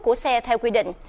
của xe theo quy định